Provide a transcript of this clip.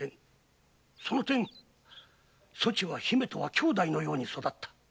その点そちは姫とは兄妹のように育った。